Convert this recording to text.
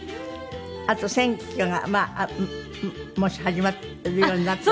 あと選挙がまあもし始まるようになったら。